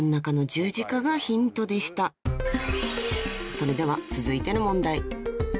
［それでは続いての問題］